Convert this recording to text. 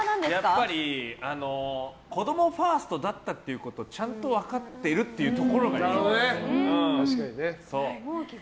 やっぱり子供ファーストだったっていうことをちゃんと分かってるっていう心がいい。